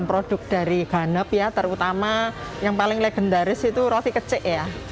rukaan ini itu roti kecik